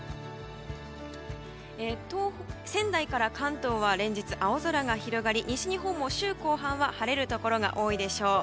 仙台から関東は連日、青空が広がり西日本も週後半は晴れるところが多いでしょう。